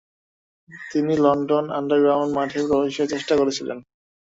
তিনি London underground মাঠে প্রবেশের চেষ্টা করেছিলেন।